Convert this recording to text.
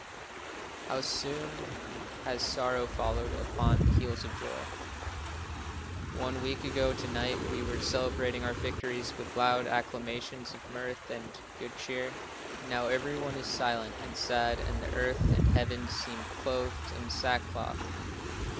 How soon has sorrow followed upon the heels of joy! One week ago to night we were celebrating our victories with loud acclamations of mirth and good cheer. Now every one is silent and sad and the earth and heavens seem clothed in sack cloth.